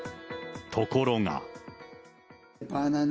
ところが。